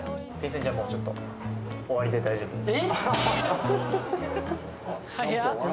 じゃあもうちょっと終わりで大丈夫です。